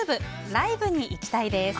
ライブに行きたいです。